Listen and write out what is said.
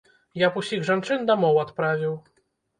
Я б усіх жанчын дамоў адправіў.